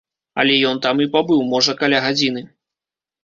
Але ён там і пабыў, можа, каля гадзіны.